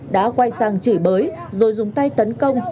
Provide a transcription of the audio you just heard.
đã quay sang chửi bới rồi dùng tay tấn công